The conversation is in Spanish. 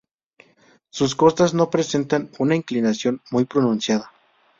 Sus costas no presentan una inclinación muy pronunciada.